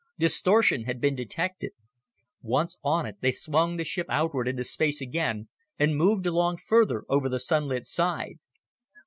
Distortion had been detected. Once on it, they swung the ship outward into space again and moved along further over the sunlit side.